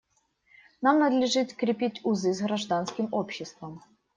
Нам надлежит крепить узы с гражданским обществом.